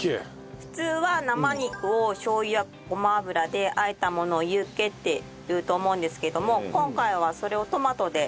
普通は生肉をしょう油やごま油で和えたものをユッケって言うと思うんですけども今回はそれをトマトで作ります。